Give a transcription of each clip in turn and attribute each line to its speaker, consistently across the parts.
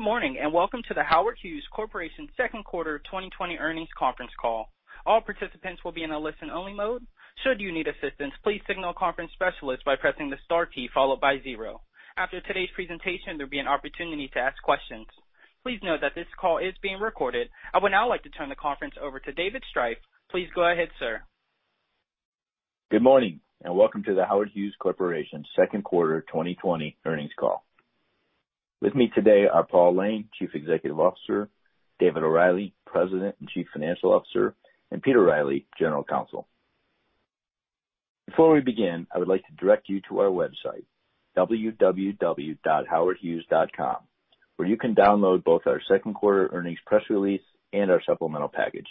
Speaker 1: Good morning. Welcome to The Howard Hughes Corporation Q2 2020 earnings conference call. All participants will be in a listen-only mode. Should you need assistance, please signal a conference specialist by pressing the star key followed by zero. After today's presentation, there'll be an opportunity to ask questions. Please note that this call is being recorded. I would now like to turn the conference over to David Striph. Please go ahead, sir.
Speaker 2: Good morning, and welcome to The Howard Hughes Corporation Q2 2020 earnings call. With me today are Paul Layne, Chief Executive Officer, David O'Reilly, President and Chief Financial Officer, and Peter Riley, General Counsel. Before we begin, I would like to direct you to our website, www.howardhughes.com, where you can download both our Q2 earnings press release and our supplemental package.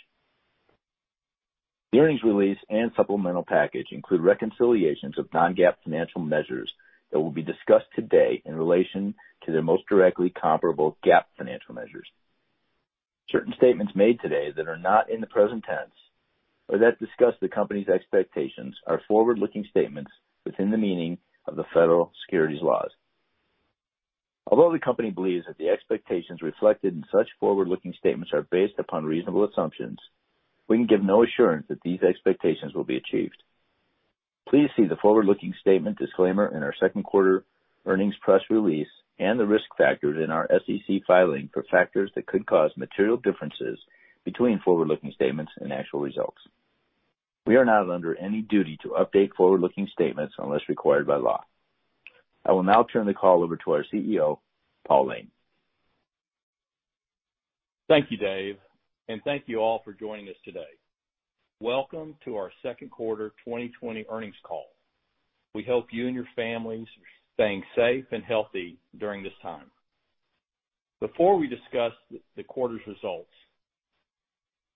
Speaker 2: The earnings release and supplemental package include reconciliations of non-GAAP financial measures that will be discussed today in relation to their most directly comparable GAAP financial measures. Certain statements made today that are not in the present tense, or that discuss the company's expectations, are forward-looking statements within the meaning of the federal securities laws. Although the company believes that the expectations reflected in such forward-looking statements are based upon reasonable assumptions, we can give no assurance that these expectations will be achieved. Please see the forward-looking statement disclaimer in our Q2 earnings press release and the risk factors in our SEC filing for factors that could cause material differences between forward-looking statements and actual results. We are not under any duty to update forward-looking statements unless required by law. I will now turn the call over to our CEO, Paul Layne.
Speaker 3: Thank you, Dave, and thank you all for joining us today. Welcome to our Q2 2020 earnings call. We hope you and your families are staying safe and healthy during this time. Before we discuss the quarter's results,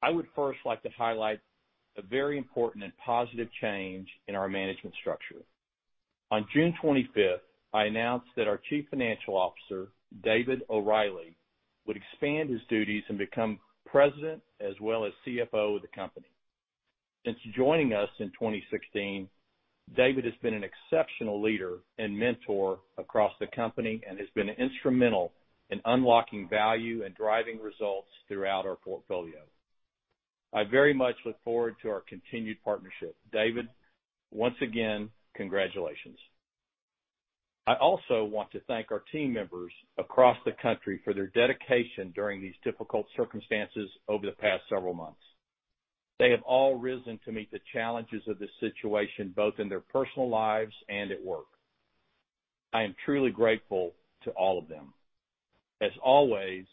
Speaker 3: I would first like to highlight a very important and positive change in our management structure. On June 25th, I announced that our Chief Financial Officer, David O'Reilly, would expand his duties and become President as well as CFO of the company. Since joining us in 2016, David has been an exceptional leader and mentor across the company and has been instrumental in unlocking value and driving results throughout our portfolio. I very much look forward to our continued partnership. David, once again, congratulations. I also want to thank our team members across the country for their dedication during these difficult circumstances over the past several months. They have all risen to meet the challenges of this situation, both in their personal lives and at work. I am truly grateful to all of them. As always,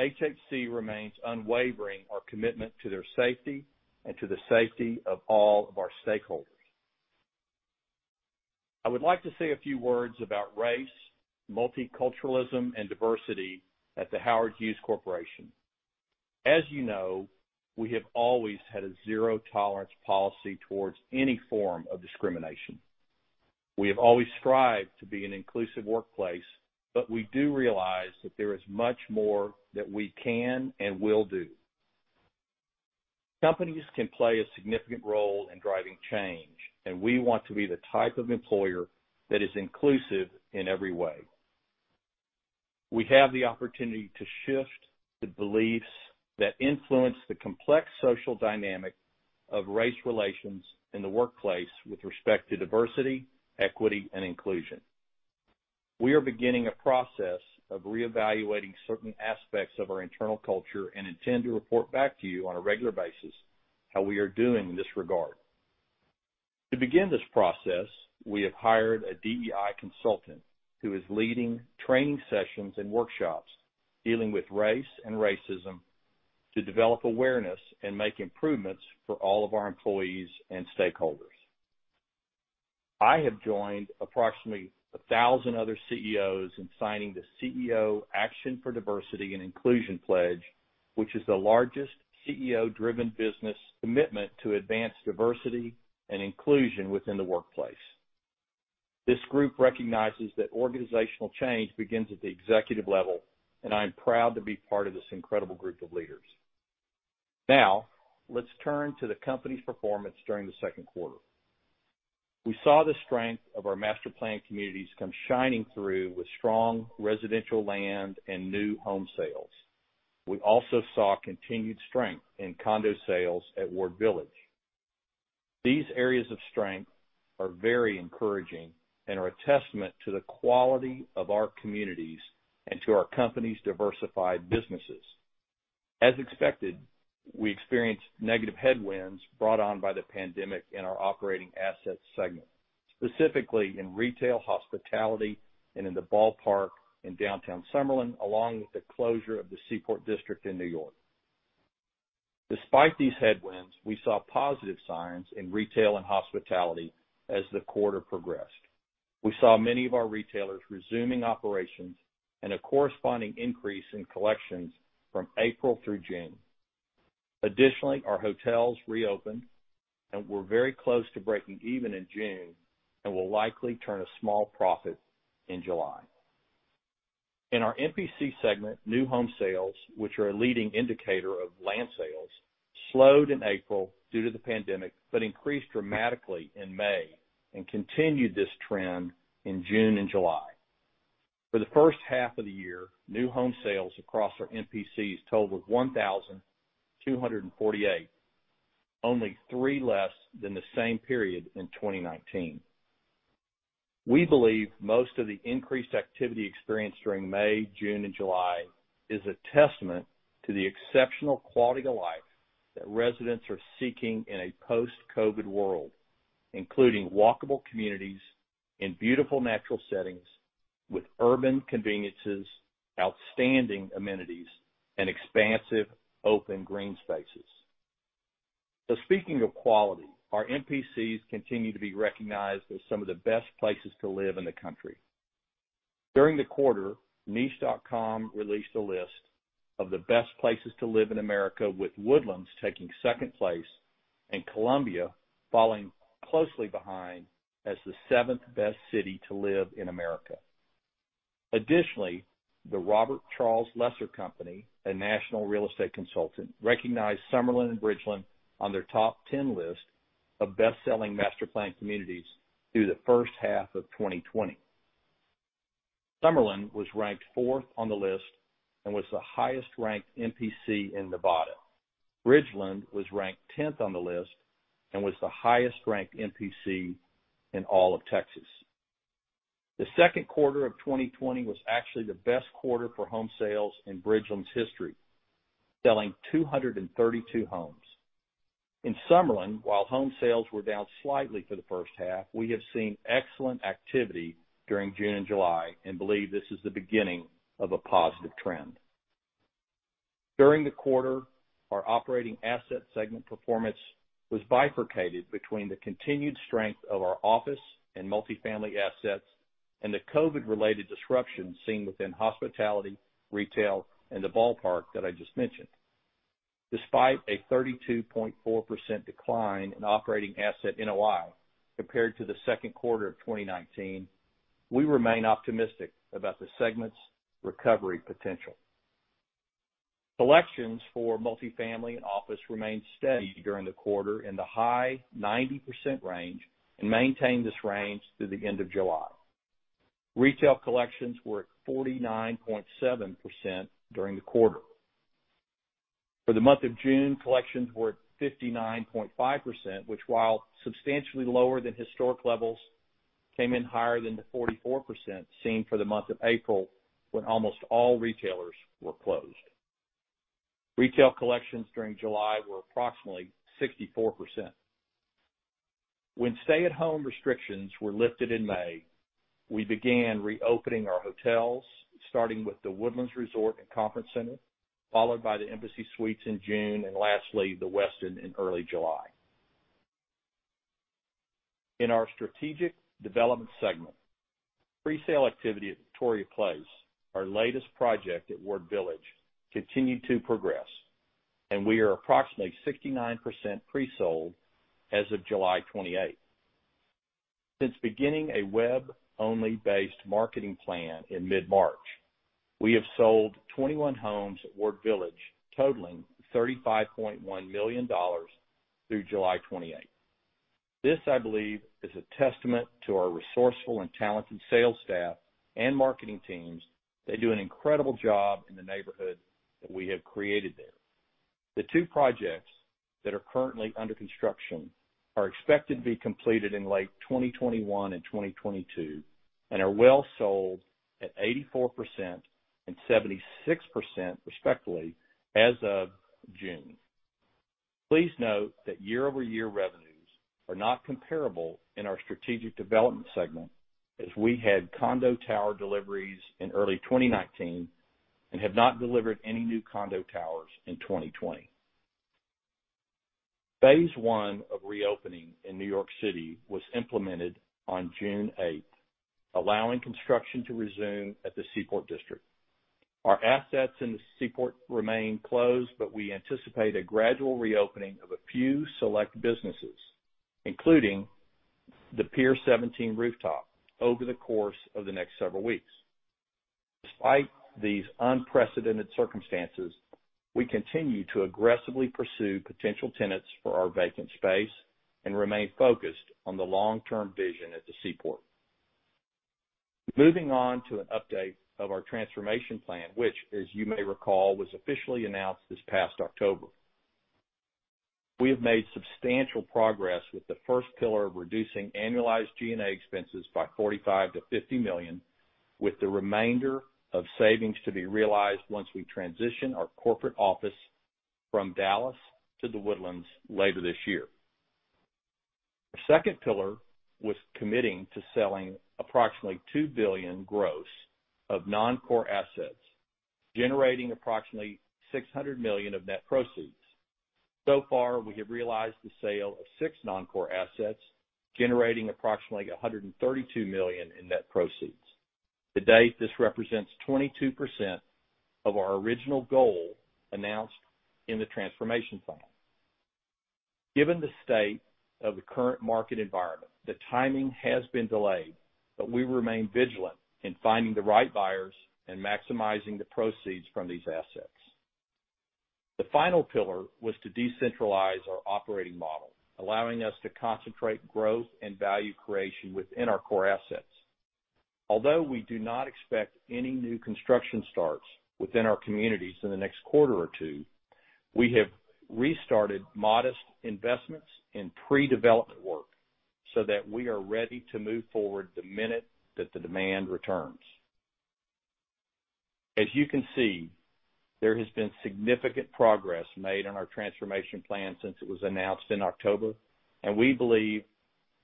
Speaker 3: HHC remains unwavering our commitment to their safety and to the safety of all of our stakeholders. I would like to say a few words about race, multiculturalism, and diversity at The Howard Hughes Corporation. As you know, we have always had a zero-tolerance policy towards any form of discrimination. We have always strived to be an inclusive workplace, but we do realize that there is much more that we can and will do. Companies can play a significant role in driving change, and we want to be the type of employer that is inclusive in every way. We have the opportunity to shift the beliefs that influence the complex social dynamic of race relations in the workplace with respect to diversity, equity, and inclusion. We are beginning a process of reevaluating certain aspects of our internal culture and intend to report back to you on a regular basis how we are doing in this regard. To begin this process, we have hired a DEI consultant who is leading training sessions and workshops dealing with race and racism to develop awareness and make improvements for all of our employees and stakeholders. I have joined approximately 1,000 other CEOs in signing the CEO Action for Diversity & Inclusion pledge, which is the largest CEO-driven business commitment to advance diversity and inclusion within the workplace. This group recognizes that organizational change begins at the executive level, and I am proud to be part of this incredible group of leaders. Now, let's turn to the company's performance during the Q2. We saw the strength of our master-planned communities come shining through with strong residential land and new home sales. We also saw continued strength in condo sales at Ward Village. These areas of strength are very encouraging and are a testament to the quality of our communities and to our company's diversified businesses. As expected, we experienced negative headwinds brought on by the pandemic in our operating assets segment, specifically in retail, hospitality, and in the ballpark in Downtown Summerlin, along with the closure of the Seaport District in New York. Despite these headwinds, we saw positive signs in retail and hospitality as the quarter progressed. We saw many of our retailers resuming operations and a corresponding increase in collections from April through June. Additionally, our hotels reopened and were very close to breaking even in June and will likely turn a small profit in July. In our MPC segment, new home sales, which are a leading indicator of land sales slowed in April due to the pandemic, but increased dramatically in May and continued this trend in June and July. For the H1 of the year, new home sales across our MPCs totaled 1,248, only three less than the same period in 2019. We believe most of the increased activity experienced during May, June, and July is a testament to the exceptional quality of life that residents are seeking in a post-COVID world, including walkable communities in beautiful natural settings with urban conveniences, outstanding amenities, and expansive open green spaces. Speaking of quality, our MPCs continue to be recognized as some of the best places to live in the country. During the quarter, niche.com released a list of the best places to live in America, with Woodlands taking second place, and Columbia falling closely behind as the seventh-best city to live in America. Additionally, the Robert Charles Lesser & Co., a national real estate consultant, recognized Summerlin and Bridgeland on their top 10 list of best-selling master-planned communities through the H1 of 2020. Summerlin was ranked fourth on the list and was the highest-ranked MPC in Nevada. Bridgeland was ranked 10th on the list and was the highest-ranked MPC in all of Texas. The Q2 of 2020 was actually the best quarter for home sales in Bridgeland's history, selling 232 homes. In Summerlin, while home sales were down slightly for the H1, we have seen excellent activity during June and July and believe this is the beginning of a positive trend. During the quarter, our operating asset segment performance was bifurcated between the continued strength of our office and multi-family assets and the COVID-related disruption seen within hospitality, retail, and the ballpark that I just mentioned. Despite a 32.4% decline in operating asset NOI compared to the Q2 of 2019, we remain optimistic about the segment's recovery potential. Collections for multi-family and office remained steady during the quarter in the high 90% range and maintained this range through the end of July. Retail collections were at 49.7% during the quarter. For the month of June, collections were at 59.5%, which while substantially lower than historic levels, came in higher than the 44% seen for the month of April when almost all retailers were closed. Retail collections during July were approximately 64%. When stay-at-home restrictions were lifted in May, we began reopening our hotels, starting with The Woodlands Resort and Conference Center, followed by the Embassy Suites in June and lastly The Westin in early July. In our strategic development segment, pre-sale activity at Victoria Place, our latest project at Ward Village, continued to progress, and we are approximately 69% pre-sold as of July 28th. Since beginning a web-only based marketing plan in mid-March, we have sold 21 homes at Ward Village totaling $35.1 million through July 28th. This, I believe, is a testament to our resourceful and talented sales staff and marketing teams. They do an incredible job in the neighborhood that we have created there. The two projects that are currently under construction are expected to be completed in late 2021 and 2022 and are well sold at 84% and 76%, respectively, as of June. Please note that year-over-year revenues are not comparable in our strategic development segment, as we had condo tower deliveries in early 2019 and have not delivered any new condo towers in 2020. Phase I of reopening in New York City was implemented on June 8th, allowing construction to resume at the Seaport District. Our assets in the Seaport remain closed, but we anticipate a gradual reopening of a few select businesses, including the Pier 17 Rooftop, over the course of the next several weeks. Despite these unprecedented circumstances, we continue to aggressively pursue potential tenants for our vacant space and remain focused on the long-term vision at the Seaport. Moving on to an update of our transformation plan, which, as you may recall, was officially announced this past October. We have made substantial progress with the first pillar of reducing annualized G&A expenses by $45 million-$50 million, with the remainder of savings to be realized once we transition our corporate office from Dallas to The Woodlands later this year. The second pillar was committing to selling approximately $2 billion gross of non-core assets, generating approximately $600 million of net proceeds. So far, we have realized the sale of six non-core assets, generating approximately $132 million in net proceeds. To date, this represents 22% of our original goal announced in the transformation plan. Given the state of the current market environment, the timing has been delayed, but we remain vigilant in finding the right buyers and maximizing the proceeds from these assets. The final pillar was to decentralize our operating model, allowing us to concentrate growth and value creation within our core assets. Although we do not expect any new construction starts within our communities in the next quarter or two, we have restarted modest investments in pre-development work so that we are ready to move forward the minute that the demand returns. As you can see, there has been significant progress made on our transformation plan since it was announced in October, and we believe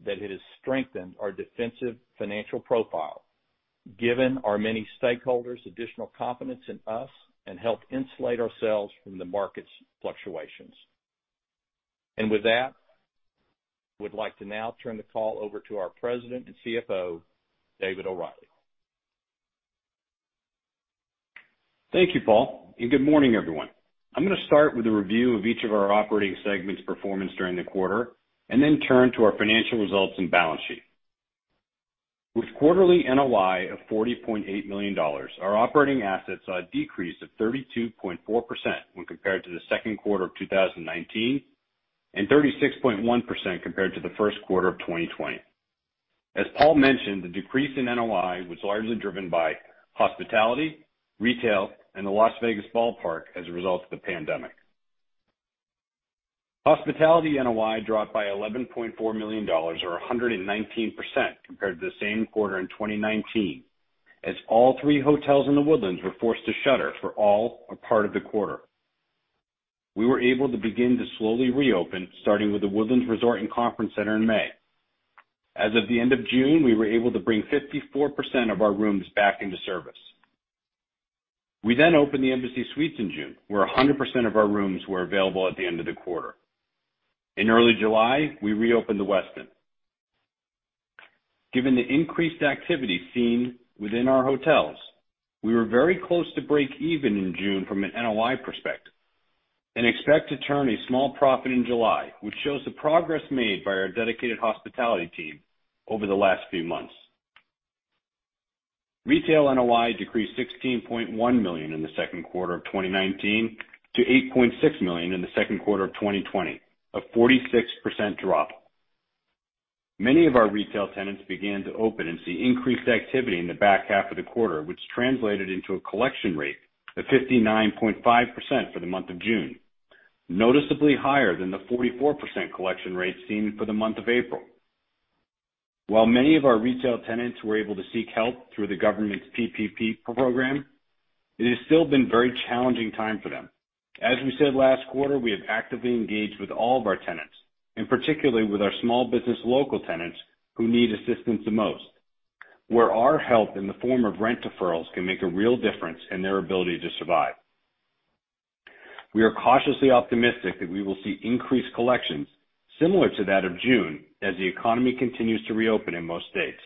Speaker 3: that it has strengthened our defensive financial profile, given our many stakeholders additional confidence in us, and helped insulate ourselves from the market's fluctuations. With that, would like to now turn the call over to our President and CFO, David O'Reilly.
Speaker 4: Thank you, Paul, and good morning, everyone. I'm going to start with a review of each of our operating segments performance during the quarter, and then turn to our financial results and balance sheet. With quarterly NOI of $40.8 million, our operating assets saw a decrease of 32.4% when compared to the Q2 of 2019, and 36.1% compared to the Q1 of 2020. As Paul mentioned, the decrease in NOI was largely driven by hospitality, retail, and the Las Vegas Ballpark as a result of the pandemic. Hospitality NOI dropped by $11.4 million, or 119% compared to the same quarter in 2019, as all three hotels in The Woodlands were forced to shutter for all or part of the quarter. We were able to begin to slowly reopen, starting with The Woodlands Resort and Conference Center in May. As of the end of June, we were able to bring 54% of our rooms back into service. We opened the Embassy Suites in June, where 100% of our rooms were available at the end of the quarter. In early July, we reopened The Westin. Given the increased activity seen within our hotels, we were very close to breakeven in June from an NOI perspective, and expect to turn a small profit in July, which shows the progress made by our dedicated hospitality team over the last few months. Retail NOI decreased $16.1 million in the Q2 of 2019 to $8.6 million in the Q2 of 2020, a 46% drop. Many of our retail tenants began to open and see increased activity in the back half of the quarter, which translated into a collection rate of 59.5% for the month of June, noticeably higher than the 44% collection rate seen for the month of April. While many of our retail tenants were able to seek help through the government's PPP program, it has still been very challenging time for them. As we said last quarter, we have actively engaged with all of our tenants, and particularly with our small business local tenants who need assistance the most, where our help in the form of rent deferrals can make a real difference in their ability to survive. We are cautiously optimistic that we will see increased collections similar to that of June as the economy continues to reopen in most states.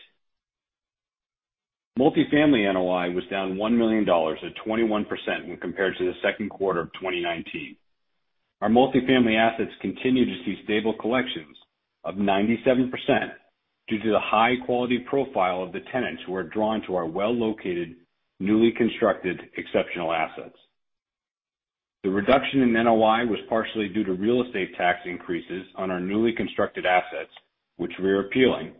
Speaker 4: Multifamily NOI was down $1 million, or 21% when compared to the Q2 of 2019. Our multifamily assets continue to see stable collections of 97% due to the high quality profile of the tenants who are drawn to our well-located, newly constructed, exceptional assets. The reduction in NOI was partially due to real estate tax increases on our newly constructed assets, which we are appealing,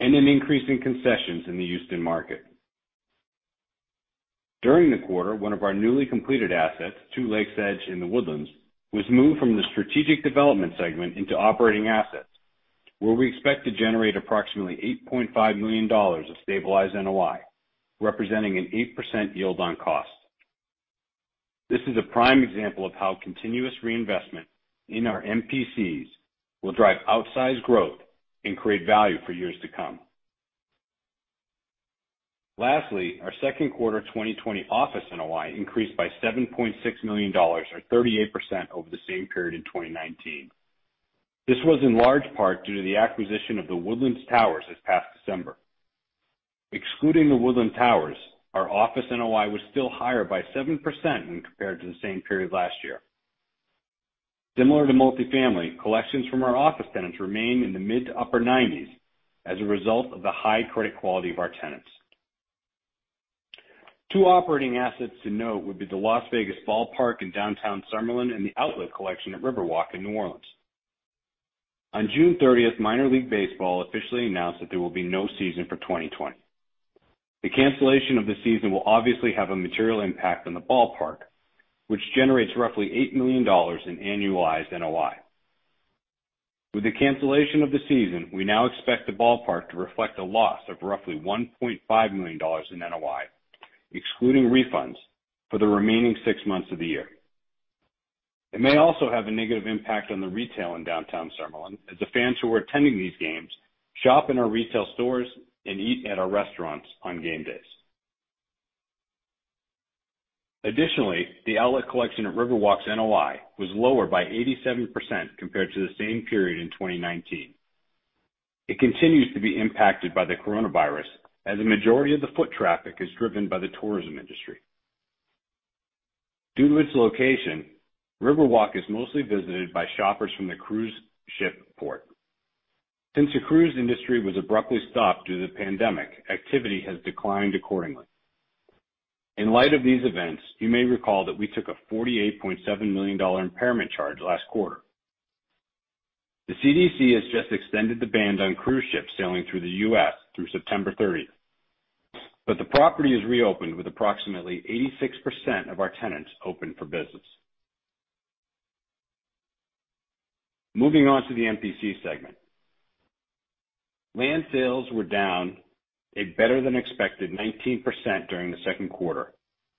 Speaker 4: and an increase in concessions in the Houston market. During the quarter, one of our newly completed assets, Two Lakes Edge in The Woodlands, was moved from the strategic development segment into operating assets, where we expect to generate approximately $8.5 million of stabilized NOI, representing an 8% yield on cost. This is a prime example of how continuous reinvestment in our MPCs will drive outsized growth and create value for years to come. Our Q2 2020 office NOI increased by $7.6 million or 38% over the same period in 2019. This was in large part due to the acquisition of The Woodlands Towers this past December. Excluding The Woodlands Towers, our office NOI was still higher by 7% when compared to the same period last year. Similar to multifamily, collections from our office tenants remain in the mid to upper 90s as a result of the high credit quality of our tenants. Two operating assets to note would be the Las Vegas Ballpark in Downtown Summerlin and The Outlet Collection at Riverwalk in New Orleans. On June 30th, Minor League Baseball officially announced that there will be no season for 2020. The cancellation of the season will obviously have a material impact on the ballpark, which generates roughly $8 million in annualized NOI. With the cancellation of the season, we now expect the ballpark to reflect a loss of roughly $1.5 million in NOI, excluding refunds, for the remaining six months of the year. It may also have a negative impact on the retail in Downtown Summerlin, as the fans who are attending these games shop in our retail stores and eat at our restaurants on game days. Additionally, The Outlet Collection at Riverwalk's NOI was lower by 87% compared to the same period in 2019. It continues to be impacted by the coronavirus, as the majority of the foot traffic is driven by the tourism industry. Due to its location, Riverwalk is mostly visited by shoppers from the cruise ship port. Since the cruise industry was abruptly stopped due to the pandemic, activity has declined accordingly. In light of these events, you may recall that we took a $48.7 million impairment charge last quarter. The CDC has just extended the ban on cruise ships sailing through the U.S. through September 30th. The property has reopened with approximately 86% of our tenants open for business. Moving on to the MPC segment. Land sales were down a better than expected 19% during the Q2,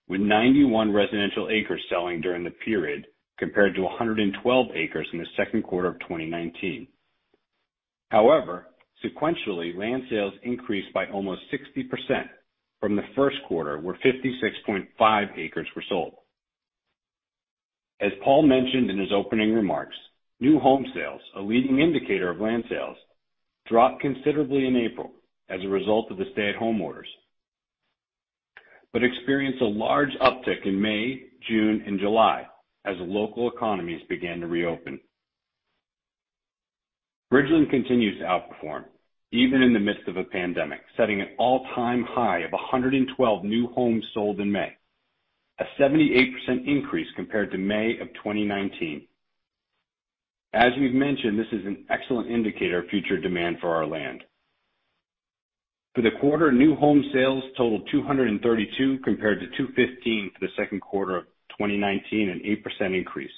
Speaker 4: with 91 residential acres selling during the period compared to 112 acres in the Q2 of 2019. However, sequentially, land sales increased by almost 60% from the Q1, where 56.5 acres were sold. As Paul mentioned in his opening remarks, new home sales, a leading indicator of land sales, dropped considerably in April as a result of the stay-at-home orders, but experienced a large uptick in May, June, and July as local economies began to reopen. Bridgeland continues to outperform, even in the midst of a pandemic, setting an all-time high of 112 new homes sold in May, a 78% increase compared to May of 2019. As we've mentioned, this is an excellent indicator of future demand for our land. For the quarter, new home sales totaled 232 compared to 215 for the Q2 of 2019, an 8% increase.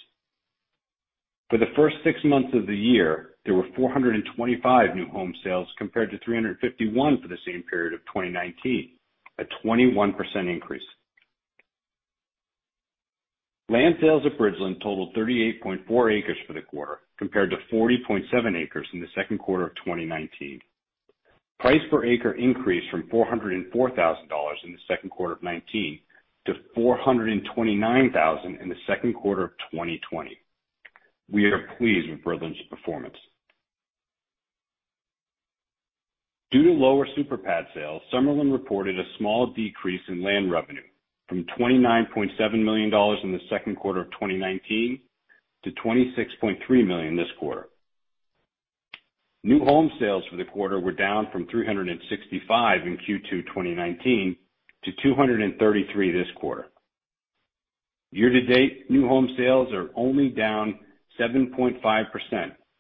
Speaker 4: For the first six months of the year, there were 425 new home sales compared to 351 for the same period of 2019, a 21% increase. Land sales at Bridgeland totaled 38.4 acres for the quarter, compared to 40.7 acres in the Q2 of 2019. Price per acre increased from $404,000 in the Q2 of 2019 to $429,000 in the Q2 of 2020. We are pleased with Bridgeland's performance. Due to lower super pad sales, Summerlin reported a small decrease in land revenue from $29.7 million in the Q2 of 2019 to $26.3 million this quarter. New home sales for the quarter were down from 365 in Q2 2019 to 233 this quarter. Year to date, new home sales are only down 7.5%,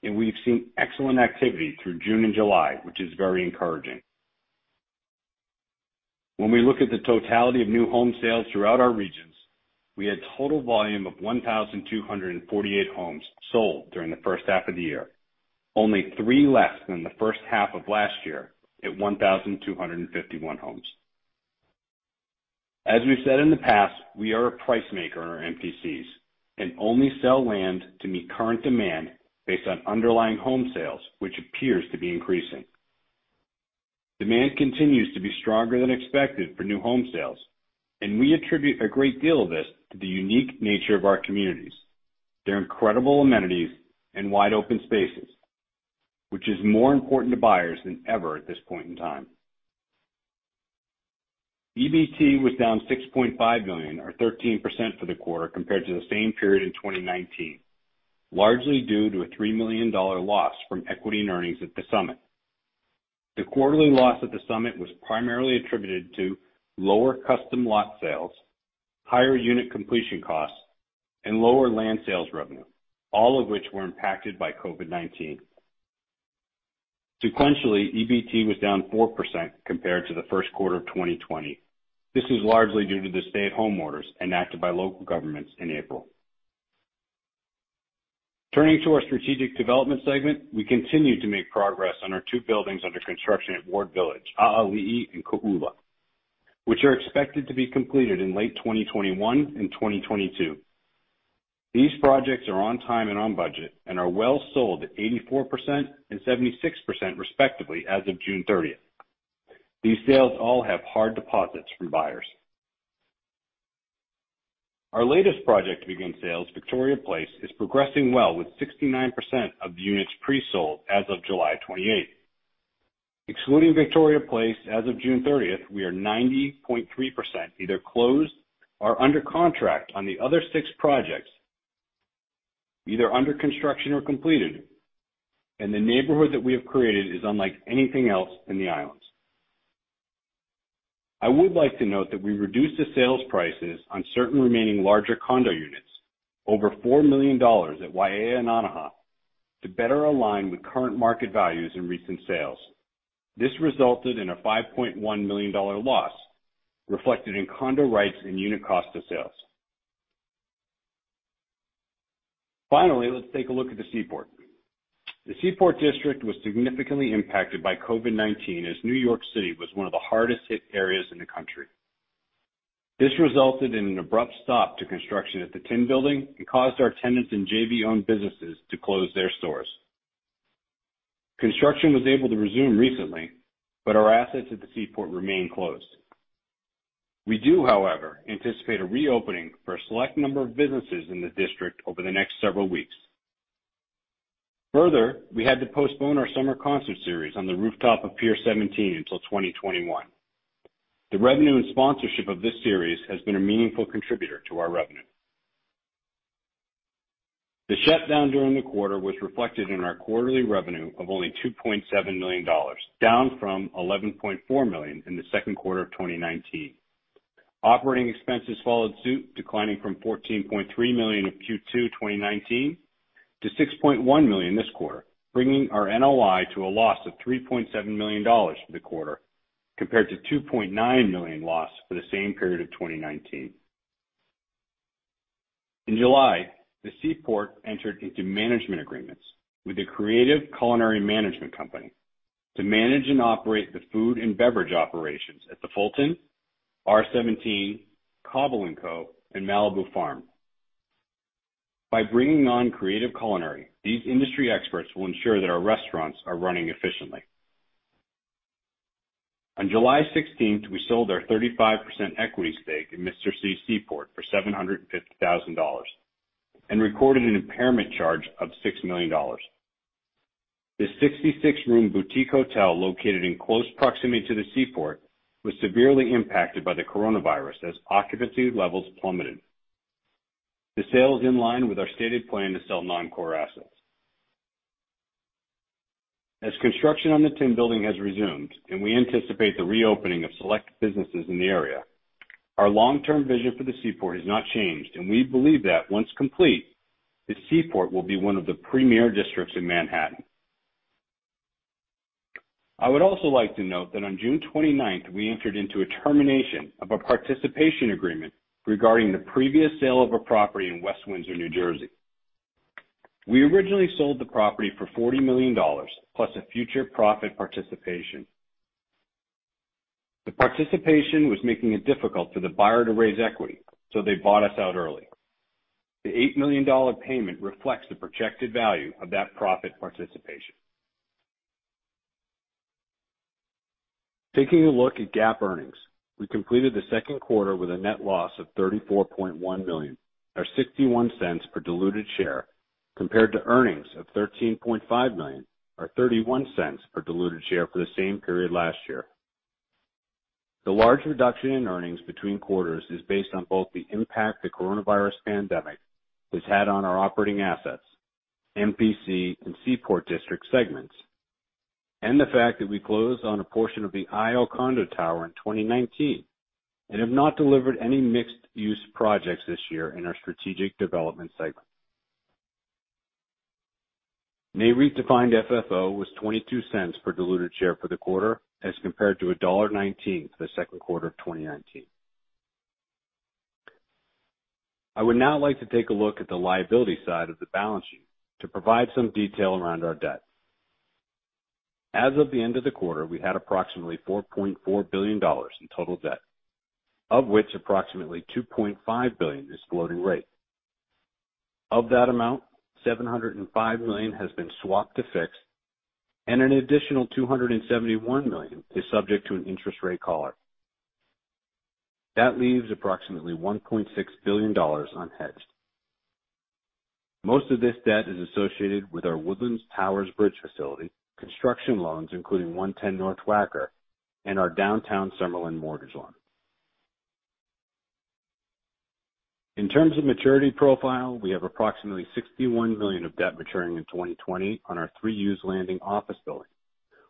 Speaker 4: and we've seen excellent activity through June and July, which is very encouraging. When we look at the totality of new home sales throughout our regions, we had total volume of 1,248 homes sold during the first half of the year, only three less than the H1 of last year at 1,251 homes. As we've said in the past, we are a price maker in our MPCs and only sell land to meet current demand based on underlying home sales, which appears to be increasing. Demand continues to be stronger than expected for new home sales. We attribute a great deal of this to the unique nature of our communities, their incredible amenities, and wide open spaces, which is more important to buyers than ever at this point in time. EBT was down $6.5 million, or 13%, for the quarter compared to the same period in 2019, largely due to a $3 million loss from equity and earnings at the Summit. The quarterly loss at the Summit was primarily attributed to lower custom lot sales, higher unit completion costs, and lower land sales revenue, all of which were impacted by COVID-19. Sequentially, EBT was down 4% compared to the Q1 of 2020. This is largely due to the stay-at-home orders enacted by local governments in April. Turning to our strategic development segment, we continue to make progress on our two buildings under construction at Ward Village, A'ali'i and Kō'ula, which are expected to be completed in late 2021 and 2022. These projects are on time and on budget and are well sold at 84% and 76%, respectively, as of June 30th. These sales all have hard deposits from buyers. Our latest project to begin sales, Victoria Place, is progressing well with 69% of the units pre-sold as of July 28th. Excluding Victoria Place as of June 30th, we are 90.3% either closed or under contract on the other six projects, either under construction or completed, and the neighborhood that we have created is unlike anything else in the islands. I would like to note that we reduced the sales prices on certain remaining larger condo units over $4 million at Waiea and Anaha to better align with current market values and recent sales. This resulted in a $5.1 million loss reflected in condo rights and unit cost of sales. Finally, let's take a look at the Seaport. The Seaport district was significantly impacted by COVID-19, as New York City was one of the hardest hit areas in the country. This resulted in an abrupt stop to construction at the Tin Building and caused our tenants and JV-owned businesses to close their stores. Construction was able to resume recently, but our assets at the Seaport remain closed. We do, however, anticipate a reopening for a select number of businesses in the district over the next several weeks. We had to postpone our summer concert series on the rooftop of Pier 17 until 2021. The revenue and sponsorship of this series has been a meaningful contributor to our revenue. The shutdown during the quarter was reflected in our quarterly revenue of only $2.7 million, down from $11.4 million in the Q2 of 2019. Operating expenses followed suit, declining from $14.3 million in Q2 2019 to $6.1 million this quarter, bringing our NOI to a loss of $3.7 million for the quarter, compared to a $2.9 million loss for the same period of 2019. In July, the Seaport entered into management agreements with Creative Culinary Management Company to manage and operate the food and beverage operations at The Fulton, R17, Cobble & Co., and Malibu Farm. By bringing on Creative Culinary, these industry experts will ensure that our restaurants are running efficiently. On July 16th, we sold our 35% equity stake in Mr. C Seaport for $750,000 and recorded an impairment charge of $6 million. This 66-room boutique hotel, located in close proximity to the Seaport, was severely impacted by the coronavirus as occupancy levels plummeted. The sale is in line with our stated plan to sell non-core assets. As construction on the Tin Building has resumed and we anticipate the reopening of select businesses in the area, our long-term vision for the Seaport has not changed, and we believe that once complete, the Seaport will be one of the premier districts in Manhattan. I would also like to note that on June 29th, we entered into a termination of a participation agreement regarding the previous sale of a property in West Windsor, New Jersey. We originally sold the property for $40 million, plus a future profit participation. The participation was making it difficult for the buyer to raise equity, so they bought us out early. The $8 million payment reflects the projected value of that profit participation. Taking a look at GAAP earnings, we completed the Q2 with a net loss of $34.1 million, or $0.61 per diluted share, compared to earnings of $13.5 million, or $0.31 per diluted share for the same period last year. The large reduction in earnings between quarters is based on both the impact the COVID-19 pandemic has had on our operating assets, MPC and Seaport District segments, and the fact that we closed on a portion of the Ae'o Condo Tower in 2019 and have not delivered any mixed-use projects this year in our strategic development segment. NAREIT-defined FFO was $0.22 per diluted share for the quarter as compared to $1.19 for the Q2 of 2019. I would now like to take a look at the liability side of the balance sheet to provide some detail around our debt. As of the end of the quarter, we had approximately $4.4 billion in total debt, of which approximately $2.5 billion is floating rate. Of that amount, $705 million has been swapped to fixed, an additional $271 million is subject to an interest rate collar. That leaves approximately $1.6 billion unhedged. Most of this debt is associated with our Woodlands Towers Bridge facility construction loans, including 110 North Wacker and our Downtown Summerlin mortgage loan. In terms of maturity profile, we have approximately $61 million of debt maturing in 2020 on our Three Hughes Landing office building,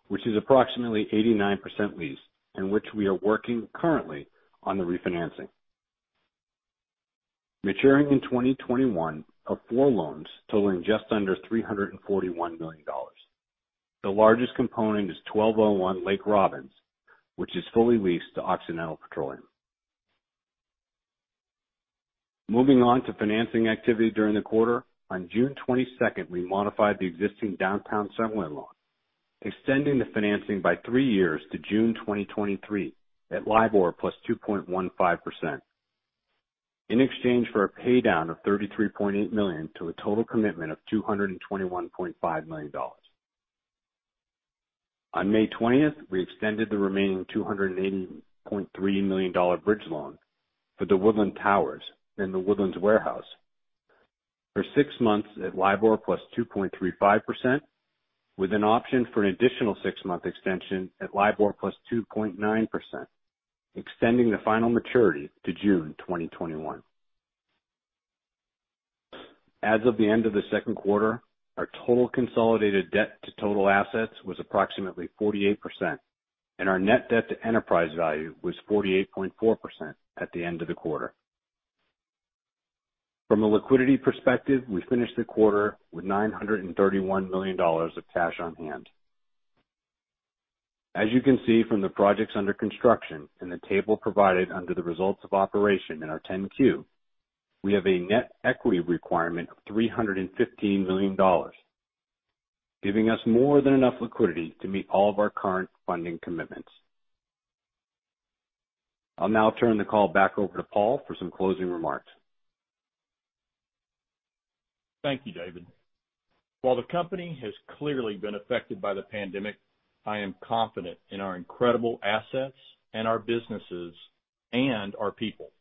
Speaker 4: which is approximately 89% leased, and which we are working currently on the refinancing. Maturing in 2021 are four loans totaling just under $341 million. The largest component is 1201 Lake Robbins, which is fully leased to Occidental Petroleum. Moving on to financing activity during the quarter, on June 22nd, we modified the existing Downtown Summerlin loan, extending the financing by three years to June 2023 at LIBOR plus 2.15%, in exchange for a paydown of $33.8 million to a total commitment of $221.5 million. On May 20th, we extended the remaining $280.3 million bridge loan for The Woodlands Towers and The Woodlands Waterway for six months at LIBOR plus 2.35%, with an option for an additional six-month extension at LIBOR plus 2.9%, extending the final maturity to June 2021. As of the end of the Q2, our total consolidated debt to total assets was approximately 48%, and our net debt to enterprise value was 48.4% at the end of the quarter. From a liquidity perspective, we finished the quarter with $931 million of cash on hand. As you can see from the projects under construction in the table provided under the results of operation in our 10-Q, we have a net equity requirement of $315 million, giving us more than enough liquidity to meet all of our current funding commitments. I'll now turn the call back over to Paul for some closing remarks.
Speaker 3: Thank you, David. While the company has clearly been affected by the pandemic, I am confident in our incredible assets and our businesses and our people.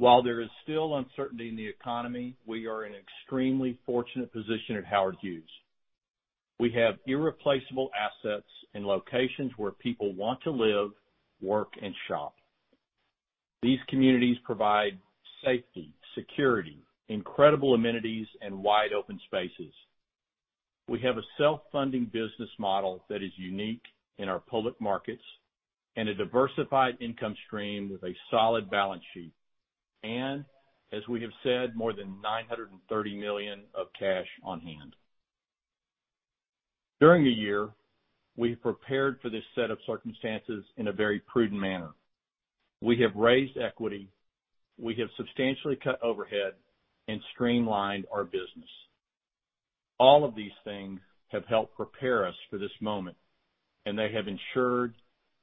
Speaker 3: While there is still uncertainty in the economy, we are in extremely fortunate position at Howard Hughes. We have irreplaceable assets in locations where people want to live, work, and shop. These communities provide safety, security, incredible amenities, and wide-open spaces. We have a self-funding business model that is unique in our public markets and a diversified income stream with a solid balance sheet. As we have said, more than $930 million of cash on hand. During the year, we prepared for this set of circumstances in a very prudent manner. We have raised equity, we have substantially cut overhead and streamlined our business. All of these things have helped prepare us for this moment, and they have ensured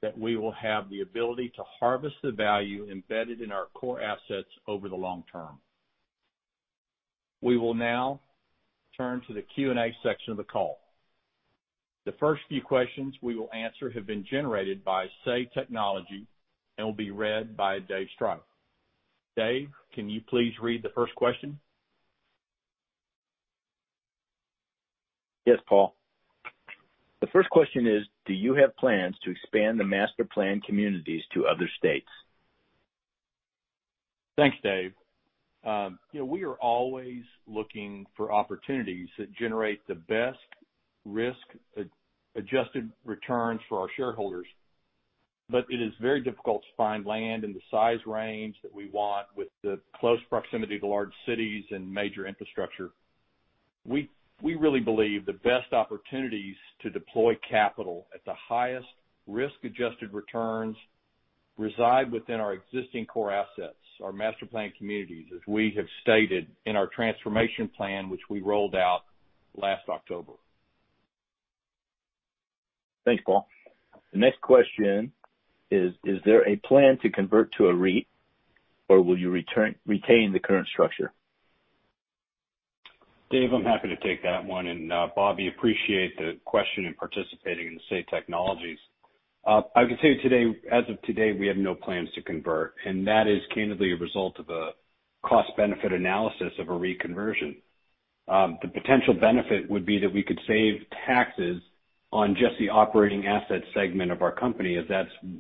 Speaker 3: that we will have the ability to harvest the value embedded in our core assets over the long term. We will now turn to the Q&A section of the call. The first few questions we will answer have been generated by Say Technologies and will be read by Dave Striph. Dave, can you please read the first question?
Speaker 2: Yes, Paul. The first question is, do you have plans to expand the master-planned communities to other states?
Speaker 3: Thanks, Dave. We are always looking for opportunities that generate the best risk-adjusted returns for our shareholders. It is very difficult to find land in the size range that we want with the close proximity to large cities and major infrastructure. We really believe the best opportunities to deploy capital at the highest risk-adjusted returns reside within our existing core assets, our master-planned communities, as we have stated in our transformation plan, which we rolled out last October.
Speaker 2: Thanks, Paul. The next question is there a plan to convert to a REIT, or will you retain the current structure?
Speaker 4: Dave, I'm happy to take that one. Bobby, appreciate the question and participating in the Say Technologies. I can tell you today, as of today, we have no plans to convert. That is candidly a result of a cost-benefit analysis of a REIT conversion. The potential benefit would be that we could save taxes on just the operating asset segment of our company, as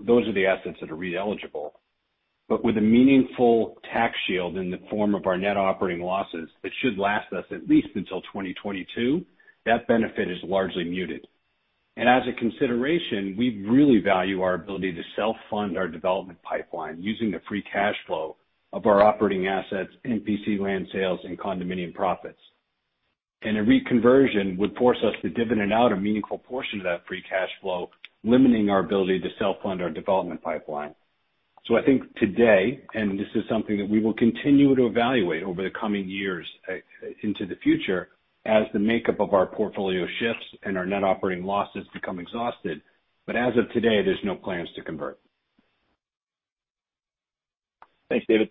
Speaker 4: those are the assets that are REIT eligible. With a meaningful tax shield in the form of our net operating losses, that should last us at least until 2022, that benefit is largely muted. As a consideration, we really value our ability to self-fund our development pipeline using the free cash flow of our operating assets in PC land sales and condominium profits. A REIT conversion would force us to dividend out a meaningful portion of that free cash flow, limiting our ability to self-fund our development pipeline. I think today, and this is something that we will continue to evaluate over the coming years into the future as the makeup of our portfolio shifts and our net operating losses become exhausted. As of today, there's no plans to convert.
Speaker 2: Thanks, David.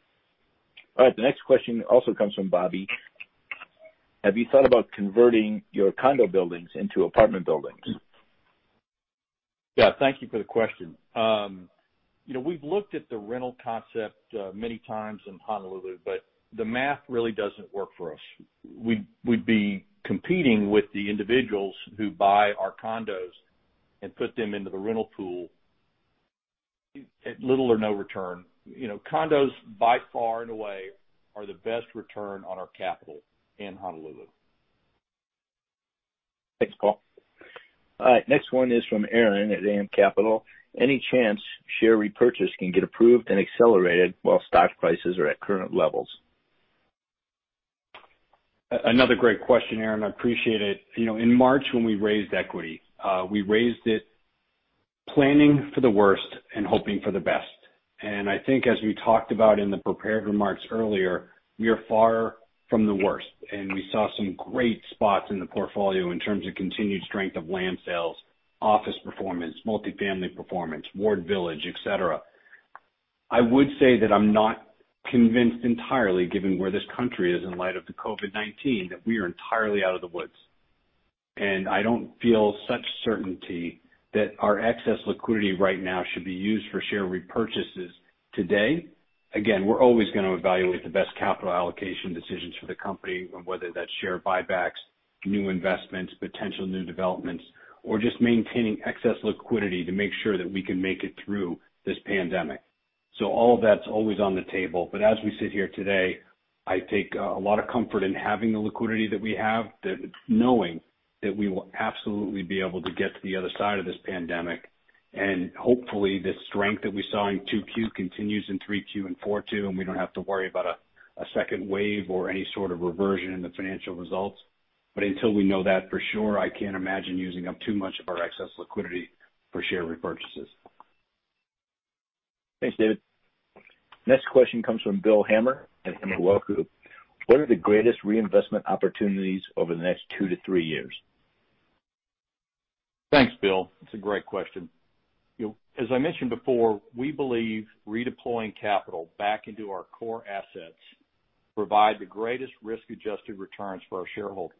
Speaker 2: All right, the next question also comes from Bobby. Have you thought about converting your condo buildings into apartment buildings?
Speaker 3: Yeah, thank you for the question. We've looked at the rental concept many times in Honolulu, but the math really doesn't work for us. We'd be competing with the individuals who buy our condos and put them into the rental pool at little or no return. Condos by far and away are the best return on our capital in Honolulu.
Speaker 2: Thanks, Paul. All right, next one is from Aaron at AM Capital. Any chance share repurchase can get approved and accelerated while stock prices are at current levels?
Speaker 4: Another great question, Aaron. I appreciate it. In March when we raised equity, we raised it planning for the worst and hoping for the best. I think as we talked about in the prepared remarks earlier, we are far from the worst, and we saw some great spots in the portfolio in terms of continued strength of land sales, office performance, multi-family performance, Ward Village, et cetera. I would say that I'm not convinced entirely, given where this country is in light of the COVID-19, that we are entirely out of the woods. I don't feel such certainty that our excess liquidity right now should be used for share repurchases today. Again, we're always going to evaluate the best capital allocation decisions for the company, whether that's share buybacks, new investments, potential new developments, or just maintaining excess liquidity to make sure that we can make it through this pandemic. All of that's always on the table. As we sit here today, I take a lot of comfort in having the liquidity that we have, knowing that we will absolutely be able to get to the other side of this pandemic. Hopefully, this strength that we saw in Q2 continues in Q3 and Q4, and we don't have to worry about a second wave or any sort of reversion in the financial results. Until we know that for sure, I can't imagine using up too much of our excess liquidity for share repurchases.
Speaker 2: Thanks, David. Next question comes from Bill Hammer at Imua Group. What are the greatest reinvestment opportunities over the next two to three years?
Speaker 3: Thanks, Bill. That's a great question. As I mentioned before, we believe redeploying capital back into our core assets provide the greatest risk-adjusted returns for our shareholders.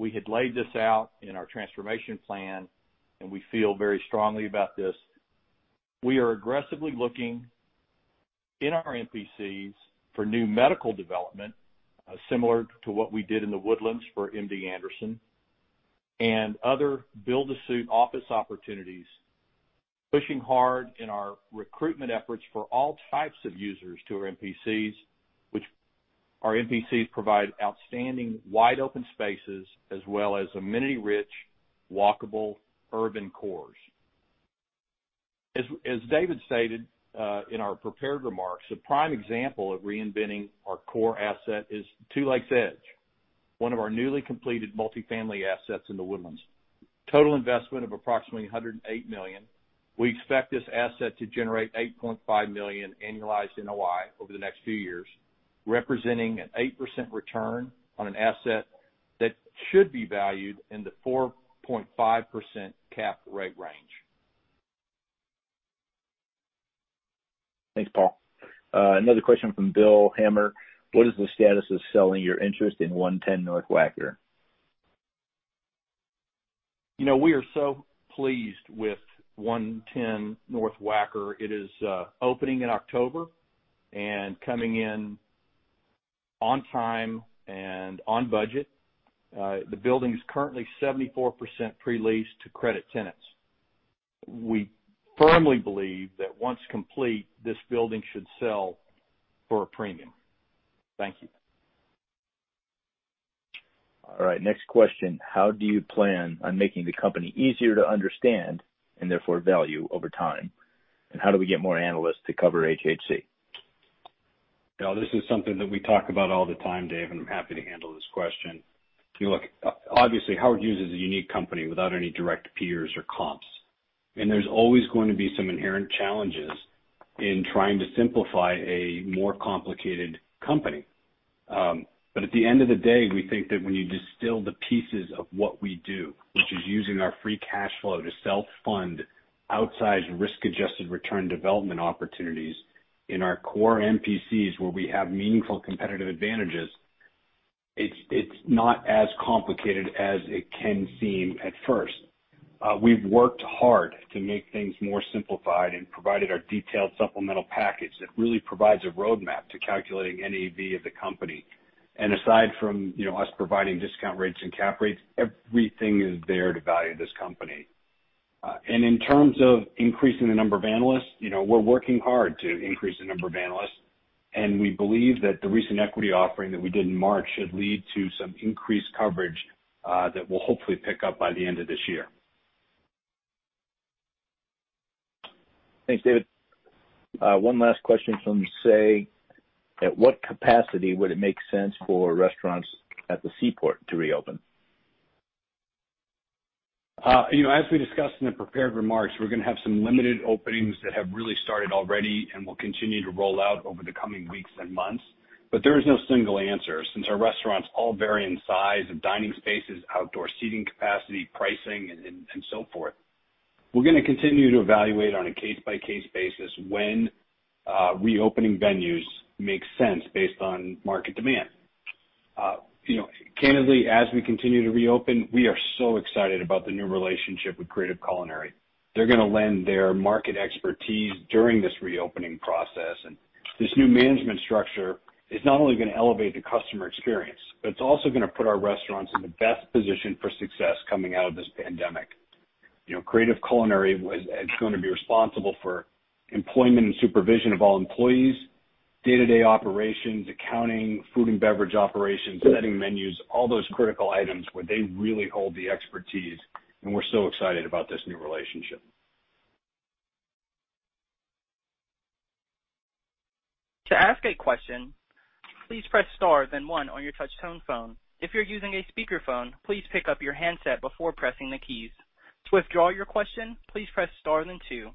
Speaker 3: We had laid this out in our transformation plan, and we feel very strongly about this. We are aggressively looking in our MPCs for new medical development, similar to what we did in The Woodlands for MD Anderson, and other build-to-suit office opportunities, pushing hard in our recruitment efforts for all types of users to our MPCs. Our MPCs provide outstanding wide-open spaces as well as amenity-rich, walkable urban cores. As David stated in our prepared remarks, a prime example of reinventing our core asset is Two Lakes Edge, one of our newly completed multifamily assets in The Woodlands. Total investment of approximately $108 million. We expect this asset to generate $8.5 million annualized NOI over the next few years, representing an 8% return on an asset that should be valued in the 4.5% cap rate range.
Speaker 2: Thanks, Paul. Another question from Bill Hammer. What is the status of selling your interest in 110 North Wacker?
Speaker 3: We are pleased with 110 North Wacker. It is opening in October and coming in on time and on budget. The building is currently 74% pre-leased to credit tenants. We firmly believe that once complete, this building should sell for a premium. Thank you.
Speaker 2: All right. Next question. How do you plan on making the company easier to understand, and therefore value over time? How do we get more analysts to cover HHC?
Speaker 4: This is something that we talk about all the time, Dave. I'm happy to handle this question. Look, obviously, Howard Hughes is a unique company without any direct peers or comps, and there's always going to be some inherent challenges in trying to simplify a more complicated company. At the end of the day, we think that when you distill the pieces of what we do, which is using our free cash flow to self-fund outsized risk-adjusted return development opportunities in our core MPCs where we have meaningful competitive advantages, it's not as complicated as it can seem at first. We've worked hard to make things more simplified and provided our detailed supplemental package that really provides a roadmap to calculating NAV of the company. Aside from us providing discount rates and cap rates, everything is there to value this company. In terms of increasing the number of analysts, we're working hard to increase the number of analysts, and we believe that the recent equity offering that we did in March should lead to some increased coverage that will hopefully pick up by the end of this year.
Speaker 2: Thanks, David. One last question from Say. At what capacity would it make sense for restaurants at the Seaport to reopen?
Speaker 4: As we discussed in the prepared remarks, we're going to have some limited openings that have really started already and will continue to roll out over the coming weeks and months. There is no single answer, since our restaurants all vary in size of dining spaces, outdoor seating capacity, pricing, and so forth. We're going to continue to evaluate on a case-by-case basis when reopening venues make sense based on market demand. Candidly, as we continue to reopen, we are so excited about the new relationship with Culinary Creative. They're going to lend their market expertise during this reopening process, and this new management structure is not only going to elevate the customer experience, but it's also going to put our restaurants in the best position for success coming out of this pandemic. Culinary Creative is going to be responsible for employment and supervision of all employees, day-to-day operations, accounting, food and beverage operations, setting menus, all those critical items where they really hold the expertise, and we're so excited about this new relationship.
Speaker 1: To ask a question, please press star then one on your touchtone phone. If you're using a speakerphone, please pick up your handset before pressing the keys. To withdraw your question, please press star then two.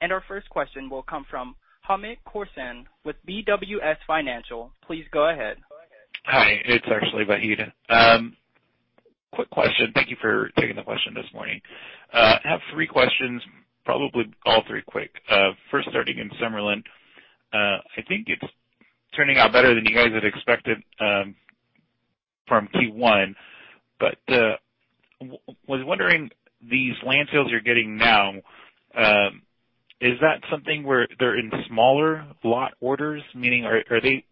Speaker 1: Our first question will come from Hamed Khorsand with BWS Financial. Please go ahead.
Speaker 5: Hi, it's actually Vahid. Quick question. Thank you for taking the question this morning. I have three questions, probably all three quick. First, starting in Summerlin, I think it's turning out better than you guys had expected from Q1. I was wondering, these land sales you're getting now, is that something where they're in smaller lot orders? Meaning, are they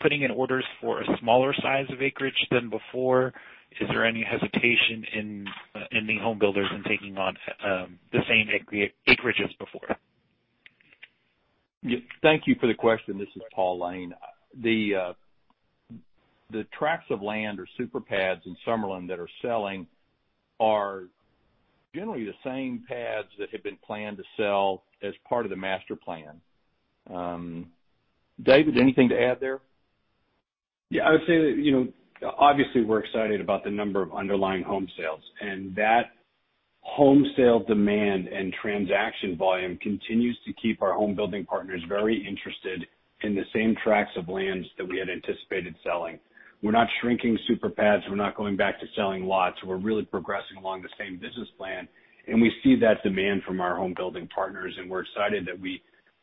Speaker 5: putting in orders for a smaller size of acreage than before? Is there any hesitation in the home builders in taking on the same acreage as before?
Speaker 3: Thank you for the question. This is Paul Layne. The tracts of land or super pads in Summerlin that are selling are generally the same pads that had been planned to sell as part of the master plan. David, anything to add there?
Speaker 4: Yeah. I would say that obviously, we're excited about the number of underlying home sales, and that home sale demand and transaction volume continues to keep our home building partners very interested in the same tracts of lands that we had anticipated selling. We're not shrinking super pads. We're not going back to selling lots. We're really progressing along the same business plan, and we see that demand from our home building partners, and we're excited that